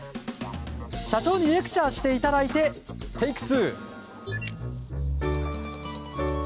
社長にレクチャーしていただいてテイク２。